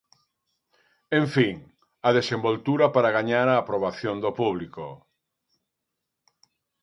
En fin, a desenvoltura para gañar a aprobación do público.